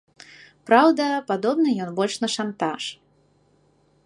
Праўда, падобны ён больш на шантаж.